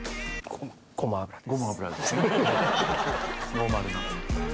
ノーマルな。